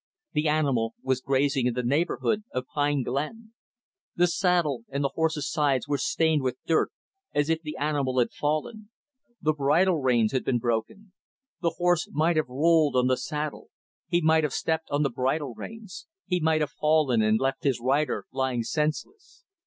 The animal was grazing in the neighborhood of Pine Glen. The saddle and the horse's sides were stained with dirt, as if the animal had fallen. The bridle reins had been broken. The horse might have rolled on the saddle; he might have stepped on the bridle reins; he might have fallen and left his rider lying senseless.